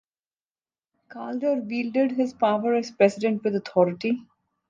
Calder wielded his power as president with authority.